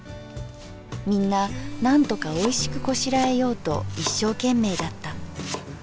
みんななんとかおいしくこしらえようと一生懸命だった。